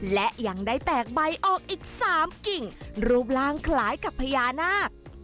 และยังได้แตกใบออกอีก๓กิ่งรูปร่างคล้ายกับพญานาค